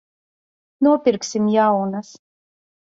Nopirksim jaunas.